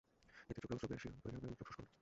এতে চোখে অশ্রু বেশি তৈরি হবে এবং চোখ শুষ্ক হবে না।